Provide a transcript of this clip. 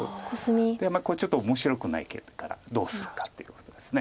これちょっと面白くない結果だどうするかっていうことです。